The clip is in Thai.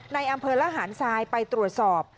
ในอำเภอระหารทรายไปตรวจสอบ